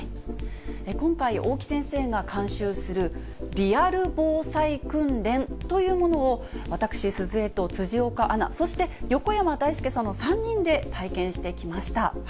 今回、大木先生が監修するリアル防災訓練というものを私、鈴江と辻岡アナ、そして横山だいすけさんの３人で体験してきました。